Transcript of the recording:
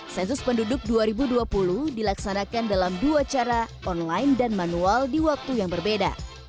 sensus penduduk dua ribu dua puluh dilaksanakan dalam dua cara online dan manual di waktu yang berbeda